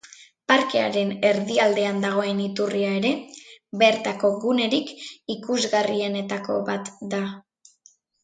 Parkearen erdialdean dagoen iturria ere bertako gunerik ikusgarrienetako bat da.